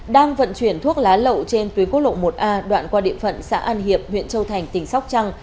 đang vận chuyển thuốc lá lậu trên tuyến quốc lộ một a đoạn qua địa phận xã an hiệp huyện châu thành tỉnh sóc trăng